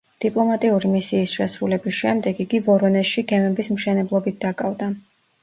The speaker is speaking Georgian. დიპლომატიური მისიის შესრულების შემდეგ, იგი ვორონეჟში გემების მშენებლობით დაკავდა.